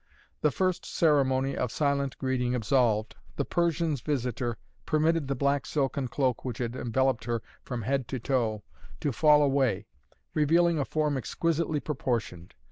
The first ceremony of silent greeting absolved, the Persian's visitor permitted the black silken cloak which had enveloped her from head to toe, to fall away, revealing a form exquisitely proportioned.